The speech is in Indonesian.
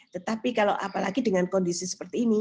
tetapi kalau apalagi dengan kondisi seperti ini